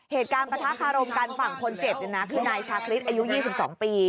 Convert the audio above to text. ประทะคารมกันฝั่งคนเจ็บเนี่ยนะคือนายชาคริสอายุ๒๒ปี